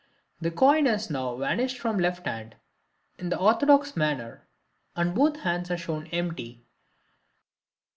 The coin is now vanished from the left hand in the orthodox manner and both hands are shown empty.